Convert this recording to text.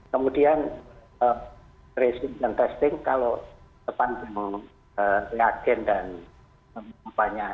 kemudian tracing and testing kalau sepanjang reagen dan